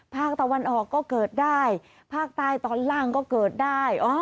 ภาคตะวันออกก็เกิดได้ภาคใต้ตอนล่างก็เกิดได้